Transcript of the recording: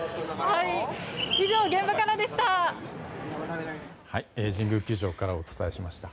以上、現場からでした。